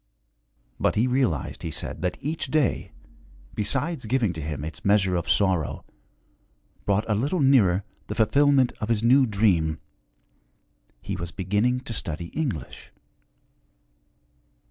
But he realized, he said, that each day, besides giving to him its measure of sorrow, brought a little nearer the fulfillment of his new dream. He was beginning to study English.